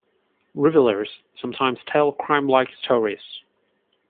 Revealers sometimes tell crime-like stories.